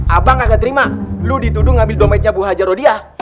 abang gak terima lu dituduh ngambil dompetnya bu haja rodia